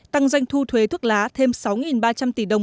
tăng doanh thu thuế thuốc lá thêm sáu ba trăm linh tỷ đồng